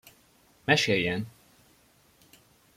Meséljen!